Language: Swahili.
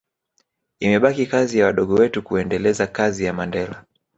imebaki kazi ya wadogo wetu kuendeleza kazi ya Mandela